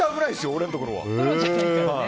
俺のところは。